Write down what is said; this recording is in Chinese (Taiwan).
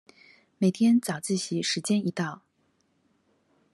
每天早自習時間一到